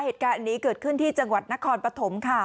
เหตุการณ์นี้เกิดขึ้นที่จังหวัดนครปฐมค่ะ